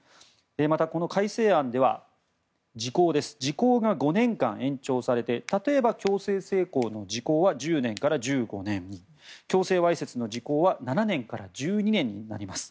またこの改正案では時効が５年間延長されて例えば強制性交の時効は１０年から１５年に強制わいせつの時効は７年から１２年になります。